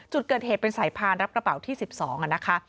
จุดเกิดเหตุเป็นสายพานรับกระเป๋าที่๑๒นะคะ